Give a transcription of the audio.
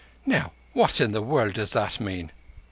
_' Now what in the world does that mean?"